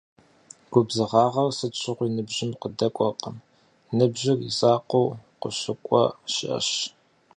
Губзыгъагъэр сыт щыгъуи ныбжьым къыдэкӏуэркъым - ныбжьыр и закъуэу къыщыкӏуэ щыӏэщ.